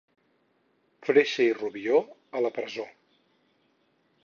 Freixa i Rubió, a la presó.